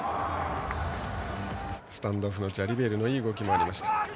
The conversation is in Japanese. スタンドオフのジャリベールのいい動きもありました。